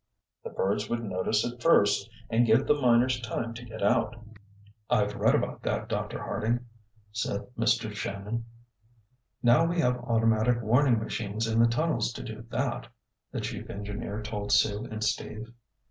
The birds would notice it first and give the miners time to get out." "I've read about that, Dr. Harding," said Mr. Shannon. "Now we have automatic warning machines in the tunnels to do that," the chief engineer told Sue and Steve.